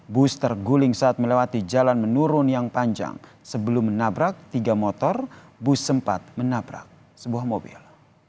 bus terguling saat melewati jalan menurun yang panjang sebelum menabrak tiga motor bus sempat menabrak sebuah mobil